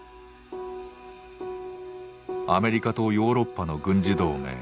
アメリカとヨーロッパの軍事同盟ＮＡＴＯ。